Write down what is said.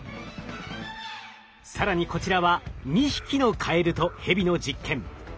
更にこちらは２匹のカエルとヘビの実験。